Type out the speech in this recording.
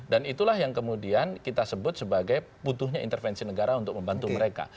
dan itulah yang kemudian kita sebut sebagai butuhnya intervensi negara untuk membantu mereka